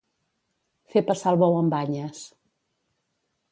Fer passar el bou amb banyes.